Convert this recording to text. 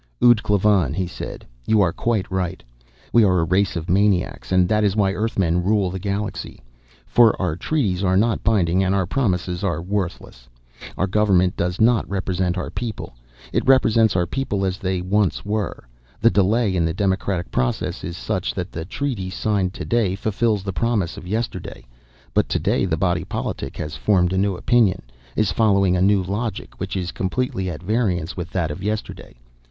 "Ud Klavan," he said, "you are quite right. We are a race of maniacs. And that is why Earthmen rule the galaxy. For our treaties are not binding, and our promises are worthless. Our government does not represent our people. It represents our people as they once were. The delay in the democratic process is such that the treaty signed today fulfills the promise of yesterday but today the Body Politic has formed a new opinion, is following a new logic which is completely at variance with that of yesterday.